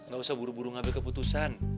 gak usah buru buru ngambil keputusan